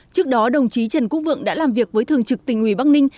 trước đó đồng chí trần quốc vượng đã làm việc với thường trực tỉnh ủy bắc ninh